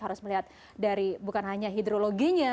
harus melihat dari bukan hanya hidrologinya